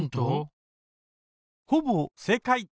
・ほぼ正解！